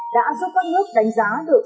đã giúp các nước đánh giá được